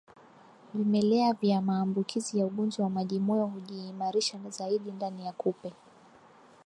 Vimelea vya maambukizi ya ugonjwa wa majimoyo hujiimarisha zaidi ndani ya kupe